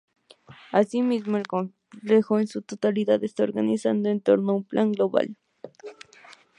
Asimismo, el complejo en su totalidad está organizado en torno a un plan global.